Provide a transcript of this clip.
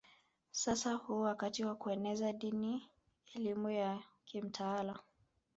Sasa huu wakati wa kueneza dini elimu ya kimtaala